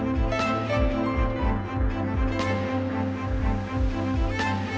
ทุกคนพร้อมแล้วขอเสียงปลุ่มมือต้อนรับ๑๒สาวงามในชุดราตรีได้เลยค่ะ